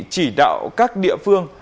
chỉ đạo các địa phương